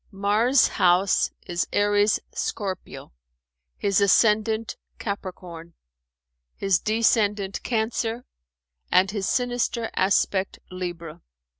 Mars' house is Aries Scorpio, his ascendant Capricorn, his descendant Cancer and his sinister aspect Libra."